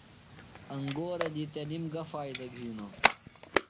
انگورہ دی تِنم گہ فائدہ گِھینوۡ؟